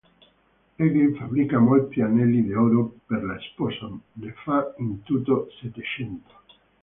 Egli fabbrica molti anelli d'oro per la sposa: ne fa in tutto settecento.